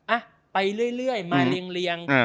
อ่ะไปเรื่อยมาเรียง